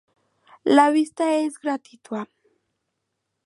La visita es gratuita..